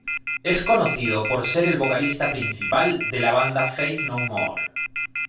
Es conocido por ser el vocalista principal de la banda Faith No More.